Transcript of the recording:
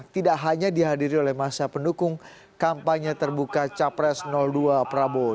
tidak hanya dihadiri oleh masa pendukung kampanye terbuka capres dua prabowo